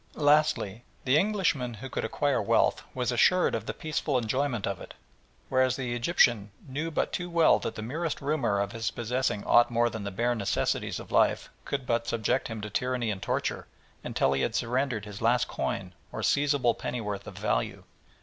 Lastly, the Englishman who could acquire wealth was assured of the peaceful enjoyment of it, whereas the Egyptian knew but too well that the merest rumour of his possessing aught more than the bare necessaries of life could but subject him to tyranny and torture, until he had surrendered his last coin or seizable pennyworth of value.